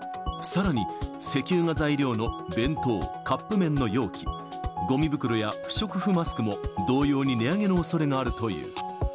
さらに、石油が材料の弁当、カップ麺の容器、ごみ袋や不織布マスクも、同様に値上げのおそれがあるという。